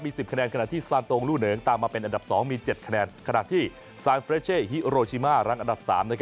มี๑๐คะแนนเมื่อที่ซานโตงลู่เหนิงตามมาเป็นอังกษ์๒